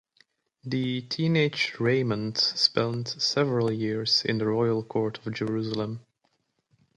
The teenaged Raymond spent several years in the royal court of Jerusalem.